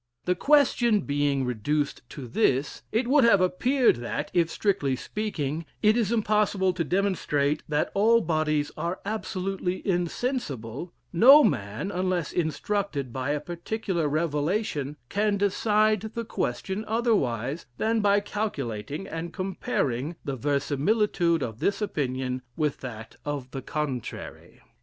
The question being reduced to this, it would have appeared that if, strictly speaking, it is impossible to demonstrate that all bodies are absolutely insensible, no man, unless instructed by a particular revelation, can decide the question otherwise than by calculating and comparing the verisimilitude of this opinion with that of the contrary...."